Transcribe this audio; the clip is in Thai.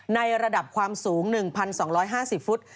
ในระดับความสูง๑๒๕๐ฟุต